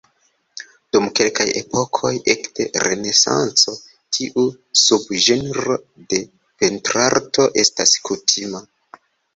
Dum kelkaj epokoj ekde Renesanco tiu subĝenro de pentrarto estas kutima.